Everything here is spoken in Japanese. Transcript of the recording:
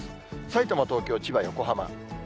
さいたま、東京、千葉、横浜。